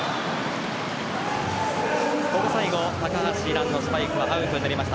最後、高橋藍のスパイクはアウトになりました。